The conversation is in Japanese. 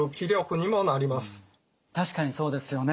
確かにそうですよね。